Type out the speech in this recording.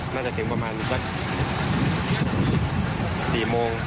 น่าจะถึงประมาณสัก๔โมง